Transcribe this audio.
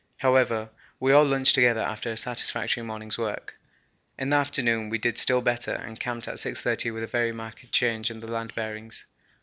However, we all lunched together after a satisfactory morning's work. In the afternoon we did still better, and camped at 6.30 with a very marked change in the land bearings.